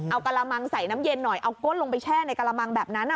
เอากระมังใส่น้ำเย็นหน่อยเอาก้นลงไปแช่ในกระมังแบบนั้น